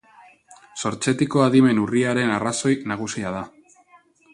Sortzetiko adimen urriaren arrazoi nagusia da.